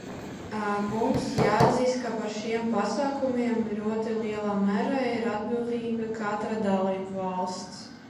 Mums jāatzīst, ka par šiem pasākumiem ļoti lielā mērā ir atbildīga katra dalībvalsts.